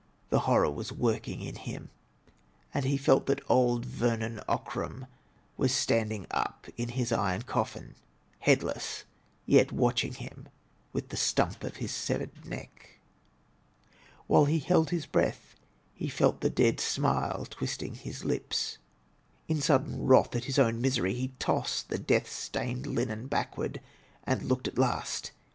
The horror was working in him, and he felt that old Vernon Ockram was standing up in his iron cofl&n, headless, yet watching him with the stump of his severed neck. While he held his breath he felt the dead smile twisting his lips. In sudden wrath at his own misery, he tossed the death stained linen backward, and looked at last.